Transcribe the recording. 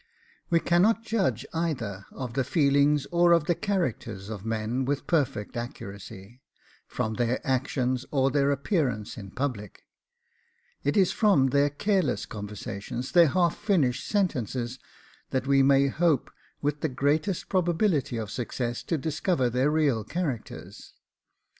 We cannot judge either of the feelings or of the characters of men with perfect accuracy, from their actions or their appearance in public; it is from their careless conversations, their half finished sentences, that we may hope with the greatest probability of success to discover their real characters.